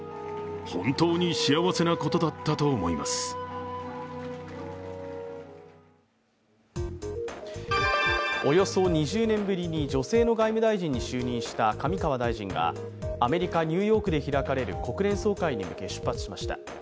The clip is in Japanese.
中車さんはおよそ２０年ぶりに女性の外務大臣に就任した上川大臣がアメリカ・ニューヨークで開かれる国連総会に向け出発しました。